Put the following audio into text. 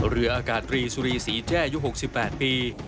เรืออากาศตรีสุรีศรีแจ้อายุ๖๘ปี